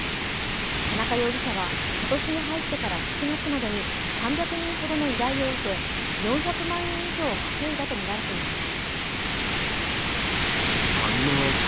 田中容疑者は今年に入ってから７月までに３００人ほどの依頼を受け４００万円以上稼いだとみられています。